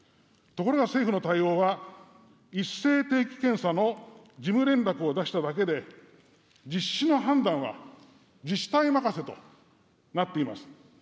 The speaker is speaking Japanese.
ところが政府の対応は、一斉定期検査の事務連絡を出しただけで、実施の判断は自治体任せとなっています。